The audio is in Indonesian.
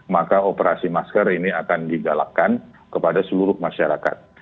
maka operasi masker ini akan digalakkan kepada seluruh masyarakat